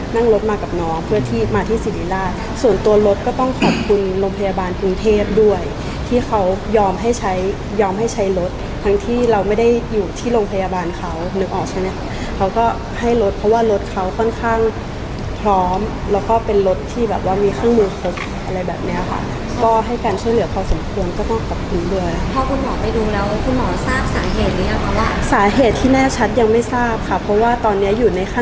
นั่งรถมากับน้องเพื่อที่มาที่ศิริราชส่วนตัวรถก็ต้องขอบคุณโรงพยาบาลปรุงเทศด้วยที่เขายอมให้ใช้ยอมให้ใช้รถทั้งที่เราไม่ได้อยู่ที่โรงพยาบาลเขานึกออกใช่ไหมเขาก็ให้รถเพราะว่ารถเขาค่อนข้างพร้อมแล้วก็เป็นรถที่แบบว่ามีข้างมือครบอะไรแบบเนี้ยค่ะก็ให้การช่วยเหลือพอสมควรก็ต้องขอบคุณด้วยพ่อ